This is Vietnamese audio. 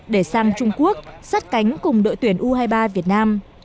để sang trung quốc sát cánh cùng đội tuyển u hai mươi ba việt nam